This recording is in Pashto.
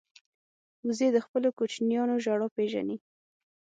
وزې د خپلو کوچنیانو ژړا پېژني